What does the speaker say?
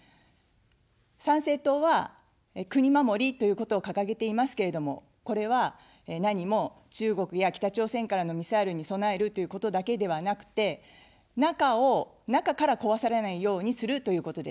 参政党は、国まもりということを掲げていますけれども、これは何も中国や北朝鮮からのミサイルに備えるということだけではなくて、中を、中から壊されないようにするということです。